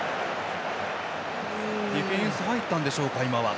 ディフェンス入ったんでしょうか今は。